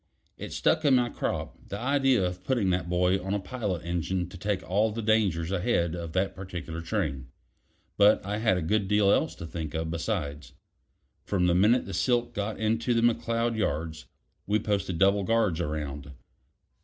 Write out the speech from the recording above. It stuck in my crop the idea of putting that boy on a pilot engine to take all the dangers ahead of that particular train; but I had a good deal else to think of besides. From the minute the silk got into the McCloud yards, we posted double guards around.